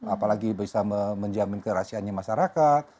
apalagi bisa menjamin kerahasiaannya masyarakat